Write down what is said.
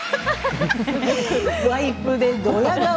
ワイプでどや顔。